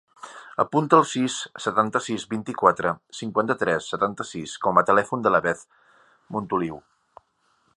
Apunta el sis, setanta-sis, vint-i-quatre, cinquanta-tres, setanta-sis com a telèfon de la Beth Montolio.